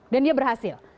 dan dia berhasil